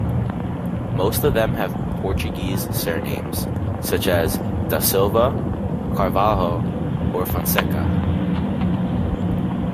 Most of them have Portuguese surnames, such as "da Silva", "Carvalho" or "Fonseca".